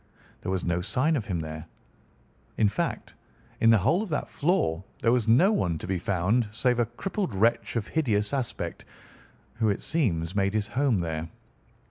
There was no sign of him there. In fact, in the whole of that floor there was no one to be found save a crippled wretch of hideous aspect, who, it seems, made his home there.